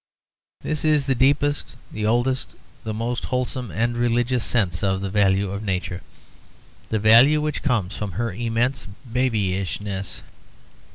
This is the deepest, the oldest, the most wholesome and religious sense of the value of Nature the value which comes from her immense babyishness.